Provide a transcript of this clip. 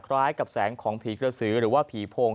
คล้ายกับแสงของผีกระสือหรือว่าผีโพง